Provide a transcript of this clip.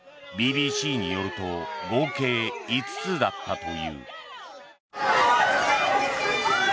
ＢＢＣによると合計５つだったという。